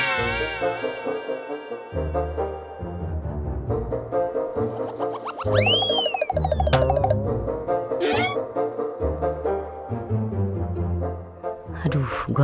jadi ibu masih belum pernah menikah